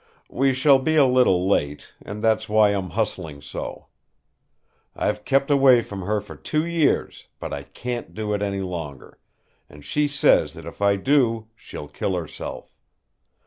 We shall be a little late, and that's why I'm hustling so. I've kept away from her for two years, but I can't do it any longer and she says that if I do she'll kill herself.